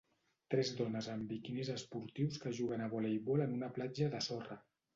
Tres dones amb biquinis esportius que juguen a voleibol en una platja de sorra.